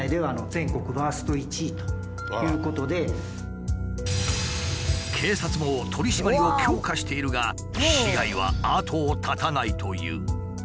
今年も警察も取り締まりを強化しているが被害は後を絶たないという。